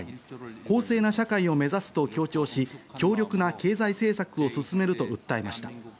公正な社会を目指すと強調し、強力な経済政策を進めると訴えました。